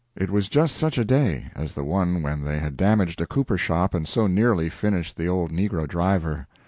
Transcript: It was just such a day, as the one when they had damaged a cooper shop and so nearly finished the old negro driver.